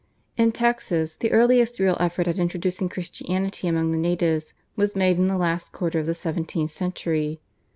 In Texas the earliest real effort at introducing Christianity among the natives was made in the last quarter of the seventeenth century.